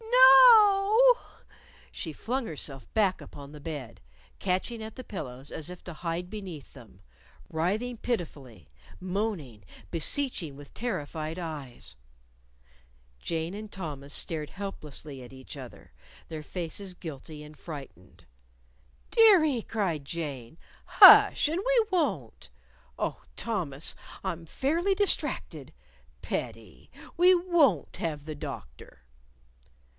"No o o!" She flung herself back upon the bed, catching at the pillows as if to hide beneath them, writhing pitifully, moaning, beseeching with terrified eyes. Jane and Thomas stared helplessly at each other, their faces guilty and frightened. "Dearie!" cried Jane; "hush and we won't Oh, Thomas, I'm fairly distracted! Pettie, we won't have the doctor."